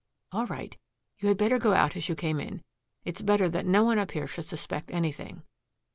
"All right. You had better go out as you came in. It's better that no one up here should suspect anything."